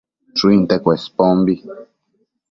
Shuinte Cuespombi